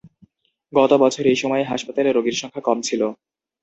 গত বছর এই সময়ে হাসপাতালে রোগীর সংখ্যা কম ছিল।